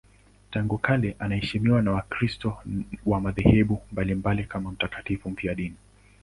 Tangu kale anaheshimiwa na Wakristo wa madhehebu mbalimbali kama mtakatifu mfiadini.